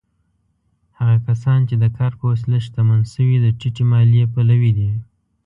هغه کسان چې د کار په وسیله شتمن شوي، د ټیټې مالیې پلوي دي.